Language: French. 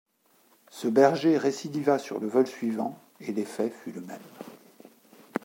Ce berger récidiva sur le vol suivant et l'effet fut le même.